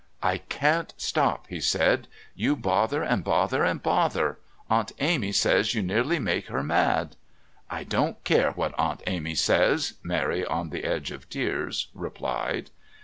"I can't stop," he said. "You bother and bother and bother. Aunt Amy says you nearly make her mad." "I don't care what Aunt Amy says," Mary on the edge of tears replied.